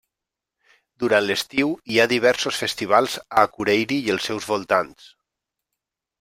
Durant l'estiu hi ha diversos festivals a Akureyri i els seus voltants.